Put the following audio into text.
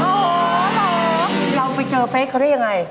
อ๋อน้องเราไปเจอเฟซเขาได้ยังไง